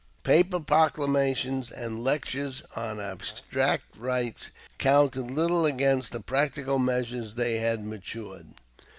Paper proclamations and lectures on abstract rights counted little against the practical measures they had matured.